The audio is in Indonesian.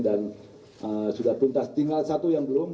sudah tuntas tinggal satu yang belum